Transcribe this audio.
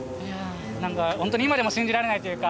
本当に今でも信じられないというか。